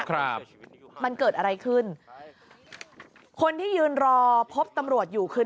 ครับมันเกิดอะไรขึ้นคนที่ยืนรอพบตำรวจอยู่คือ